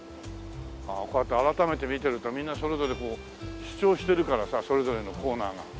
こうやって改めて見てるとみんなそれぞれこう主張してるからさそれぞれのコーナーが。